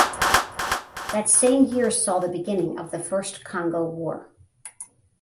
That same year saw the beginning of the First Congo War.